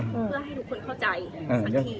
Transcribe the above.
เพื่อให้ทุกคนเข้าใจ